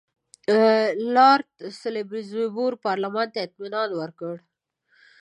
لارډ سالیزبوري پارلمان ته اطمینان ورکړ.